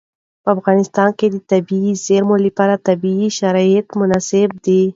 په افغانستان کې د طبیعي زیرمې لپاره طبیعي شرایط مناسب دي.